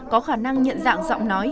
có khả năng nhận dạng giọng nói